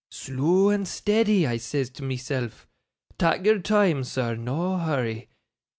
"Slow and steddy," I says to myself, "tak' your time, sir no hurry."